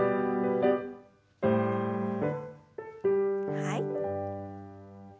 はい。